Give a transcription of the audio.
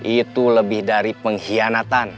itu lebih dari pengkhianatan